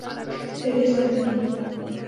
Series latina".